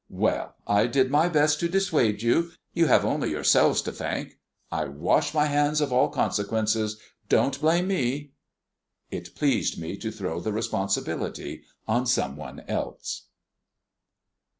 Well, I did my best to dissuade you; you have only yourselves to thank. I wash my hands of all consequences. Don't blame me." It pleased me to throw the responsibility on someone else.